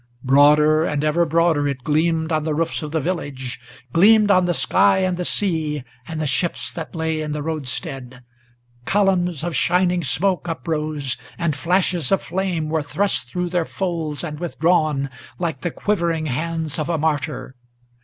Broader and ever broader it gleamed on the roofs of the village, Gleamed on the sky and the sea, and the ships that lay in the roadstead. Columns of shining smoke uprose, and flashes of flame were Thrust through their folds and withdrawn, like the quivering hands of a martyr.